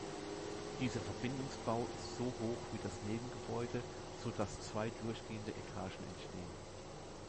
Dieser Verbindungsbau ist so hoch wie das Nebengebäude, sodass zwei durchgehende Etagen entstehen.